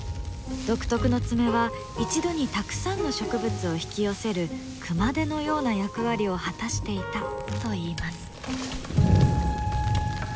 独特の爪は一度にたくさんの植物を引き寄せる熊手のような役割を果たしていたといいます。